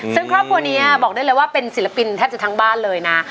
ซึ่งครอบครัวนี้บอกได้เลยว่าเป็นศิลปินแทบจะทั้งบ้านเลยนะ